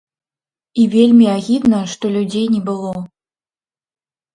І вельмі агідна, што людзей не было.